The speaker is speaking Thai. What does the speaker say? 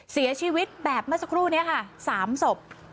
เสียชีวิตแบบเมื่อสักครู่นี้ค่ะ๓ศพ